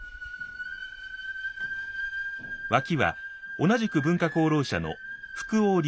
ワキは同じく文化功労者の福王流